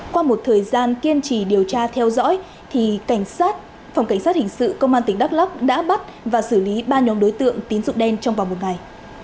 qua một thời gian kiên trì điều tra theo dõi phòng cảnh sát hình sự công an tỉnh đắc lộc đã bắt và xử lý ba nhóm đối tượng tín dụng đen trong vòng một ngày